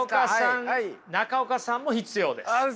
中岡さんも必要ですはい。